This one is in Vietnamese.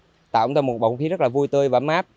tạo cho chúng tôi một bộ khí rất là vui tươi và mát